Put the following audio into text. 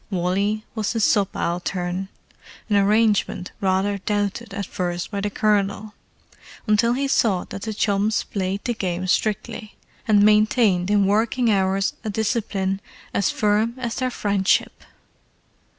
Wally was his subaltern, an arrangement rather doubted at first by the Colonel, until he saw that the chums played the game strictly, and maintained in working hours a discipline as firm as was their friendship.